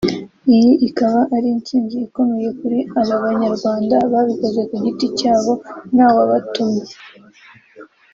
Iyi ikaba ari intsinzi ikomeye kuri aba banyarwanda babikoze ku giti cyabo ntawabatumye